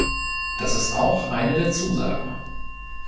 Das ist auch eine der Zusagen.